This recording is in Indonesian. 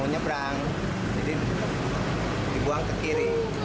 mengandang ini bengkel